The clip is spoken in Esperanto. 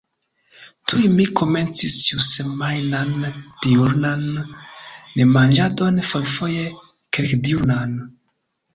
Tuj mi komencis ĉiusemajnan diurnan nemanĝadon, fojfoje kelkdiurnan.